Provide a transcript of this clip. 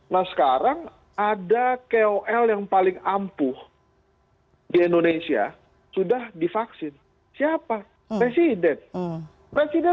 nah sekarang ada kol yang paling ampuh di indonesia sudah divaksin siapa presiden presiden